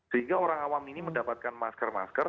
sehingga orang awam ini mendapatkan masker masker